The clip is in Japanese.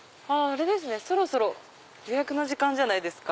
そろそろ予約の時間じゃないですか？